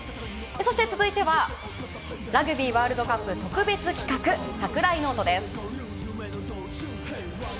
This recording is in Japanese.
そして続いてはラグビーワールドカップ特別企画櫻井ノートです。